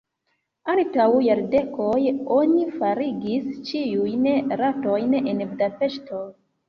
Antaŭ jardekoj oni forigis ĉiujn ratojn en Budapeŝto.